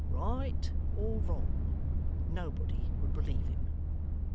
Right or wrong, nobody would believe him.